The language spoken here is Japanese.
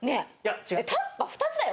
タッパー２つだよ？